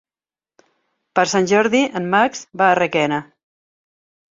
Per Sant Jordi en Max va a Requena.